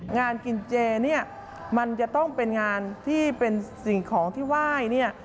งานกินเจเนี่ยมันจะต้องเป็นงานที่เป็นสิ่งของที่ไหว้เนี่ย